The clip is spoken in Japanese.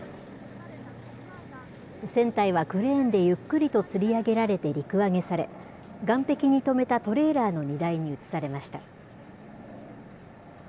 船体はクレーンでゆっくりとつり上げられて陸揚げされ、岸壁に止めたトレーラーの荷台に移されました。